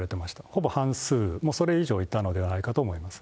ほぼ半数、それ以上いたのではないかと思われます。